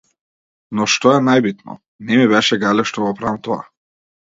Но што е најбитно, не ми беше гајле што го правам тоа.